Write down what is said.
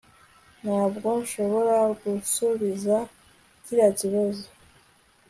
ntabwo nshobora gusubiza kiriya kibazo